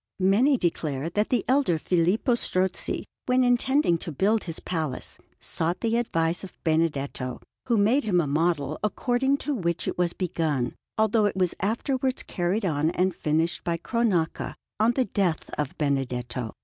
Many declare that the elder Filippo Strozzi, when intending to build his palace, sought the advice of Benedetto, who made him a model, according to which it was begun, although it was afterwards carried on and finished by Cronaca on the death of Benedetto.